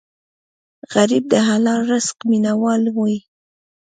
غریب د حلال رزق مینه وال وي